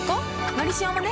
「のりしお」もね